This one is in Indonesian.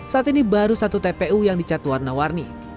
saat ini baru satu tpu yang dicat warna warni